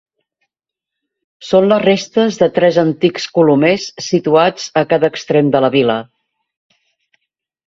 Són les restes de tres antics colomers situats a cada extrem de la vila.